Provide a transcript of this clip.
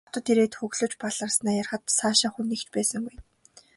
Би хотод ирээд хөглөж баларснаа ярихад сайшаах хүн нэг ч байсангүй.